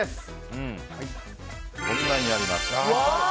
こんなにあります。